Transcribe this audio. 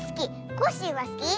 コッシーはすき？